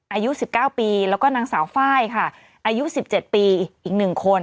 อายุ๑๙ปีแล้วก็นางสาวไฟล์ค่ะอายุ๑๗ปีอีก๑คน